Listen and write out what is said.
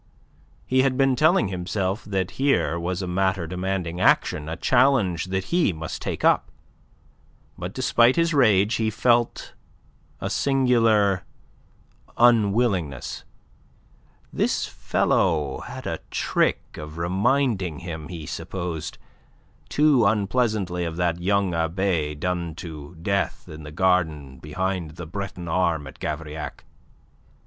He had been telling himself that here was matter demanding action, a challenge that he must take up. But despite his rage he felt a singular unwillingness. This fellow had a trick of reminding him, he supposed, too unpleasantly of that young abbe done to death in the garden behind the Breton arme at Gavrillac.